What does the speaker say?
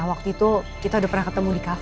waktu itu kita udah pernah ketemu di kafe